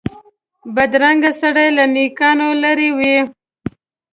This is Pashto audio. بدرنګه سړی له نېکانو لرې وي